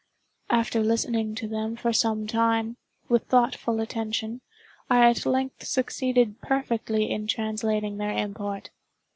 After listening to them for some time, with thoughtful attention, I at length succeeded perfectly in translating their import.